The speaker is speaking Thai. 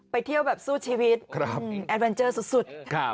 เที่ยวแบบสู้ชีวิตแอดเวนเจอร์สุด